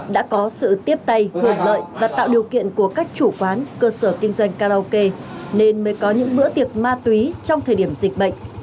đã có sự tiếp tay hưởng lợi và tạo điều kiện của các chủ quán cơ sở kinh doanh karaoke nên mới có những bữa tiệc ma túy trong thời điểm dịch bệnh